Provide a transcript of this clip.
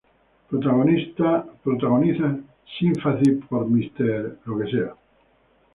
Protagoniza Sympathy for Mr.